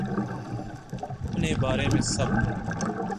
اپنے بارے میں سب